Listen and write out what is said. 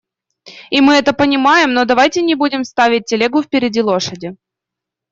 И мы это понимаем, но давайте не будем ставить телегу впереди лошади.